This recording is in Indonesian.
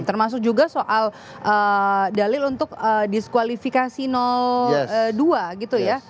termasuk juga soal dalil untuk diskualifikasi dua gitu ya